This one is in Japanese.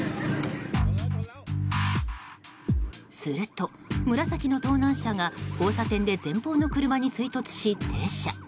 すると、紫の盗難車が交差点で前方の車に追突し停車。